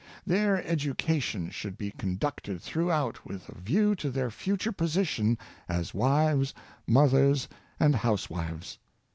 Their education should be conducted throughout with a view to their future position as wives, mothers, and housewives.